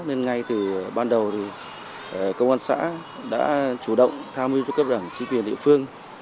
ngay từ ban đầu thì công an xã đã chủ động tham mưu cho cấp đẳng trí quyền địa phương